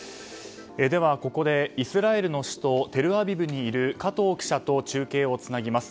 では、ここでイスラエルの首都テルアビブにいる加藤記者と中継をつなぎます。